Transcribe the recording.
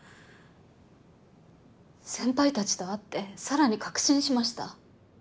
先輩たちと会ってさらに確信しました。